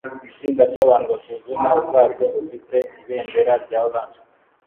Itsinda ryabantu basuzuma ubwato bufite ibendera rya orange